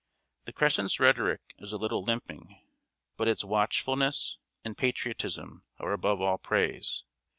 The Crescent's rhetoric is a little limping; but its watchfulness and patriotism are above all praise.